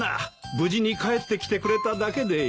無事に帰ってきてくれただけでいい。